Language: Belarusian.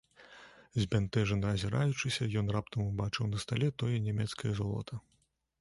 Збянтэжана азіраючыся, ён раптам убачыў на стале тое нямецкае золата.